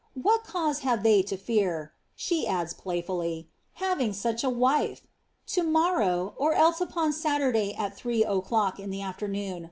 Wlmt cause have they to fear (nhe add$ plofffully) haviti)^ such a wife ? To morrow, or else u])on Saturday, at tliree ociuck in the afternoon.